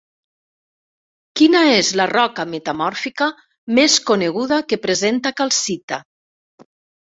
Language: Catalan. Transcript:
Quina és la roca metamòrfica més coneguda que presenta calcita?